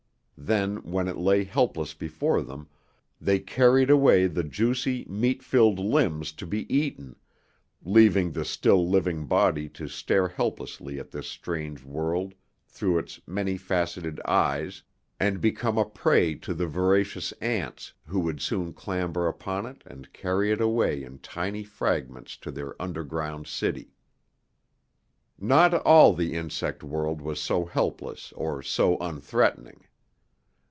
Then, when it lay helpless before them, they carried away the juicy, meat filled limbs to be eaten, leaving the still living body to stare helplessly at this strange world through its many faceted eyes, and become a prey to the voracious ants who would soon clamber upon it and carry it away in tiny fragments to their underground city. Not all the insect world was so helpless or so unthreatening.